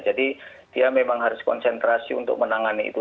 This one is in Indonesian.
jadi dia memang harus konsentrasi untuk menangani itu